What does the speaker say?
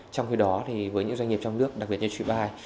trong khi đó với những doanh nghiệp trong nước đặc biệt như truebuy